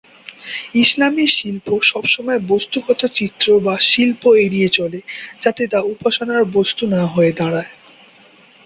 ইসলামি শিল্প সবসময় বস্তুগত চিত্র বা শিল্প এড়িয়ে চলে যাতে তা উপাসনার বস্তু না হয়ে দাড়ায়।